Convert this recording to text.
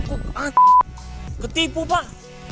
oh anjir ketipu pak